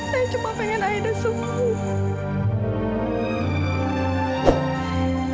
saya cuma pengen aida sembuh